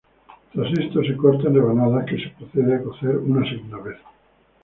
Tras esto se corta en rebanadas, que se procede a cocer una segunda vez.